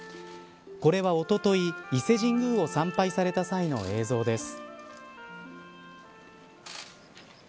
これはおととい、伊勢神宮を参拝された際の映像です。